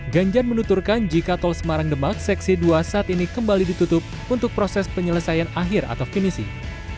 ganjar menuturkan jika tol semarang demak seksi dua saat ini kembali ditutup untuk proses penyelesaian akhir atau finishing